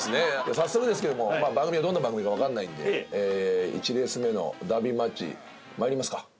早速ですけども番組がどんな番組かわかんないんで１レース目のダービーマッチまいりますか。